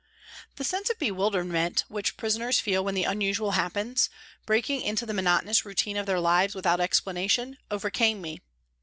The sense of bewilderment which prisoners feel when the unusual happens, breaking into the monotonous routine of their lives without explanation, overcame me